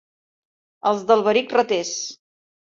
Els d'Alberic, raters.